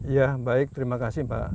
ya baik terima kasih pak